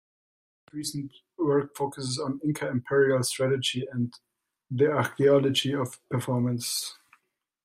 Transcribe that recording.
His most recent work focuses on Inca imperial strategy and the archaeology of performance.